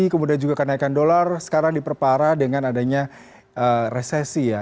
kemudian juga kenaikan dolar sekarang diperparah dengan adanya resesi ya